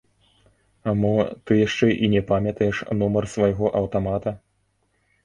Мо, ты яшчэ і не памятаеш нумар свайго аўтамата?